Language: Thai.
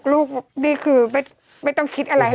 ๑๖ลูกนี่คือไม่ต้องคิดอะไรหรอก